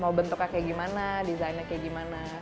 mau bentuknya kayak gimana desainnya kayak gimana